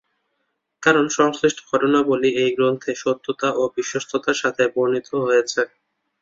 কারণ, সংশ্লিষ্ট ঘটনাবলী এই গ্রন্থে সত্যতা ও বিশ্বস্ততার সাথে বর্ণিত হয়েছে।